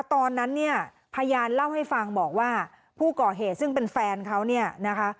ตอนนั้นเนี่ยพยานเล่าให้ฟังบอกว่าผู้ก่อเหตุซึ่งเป็นแฟนเขาเนี่ยนะคะ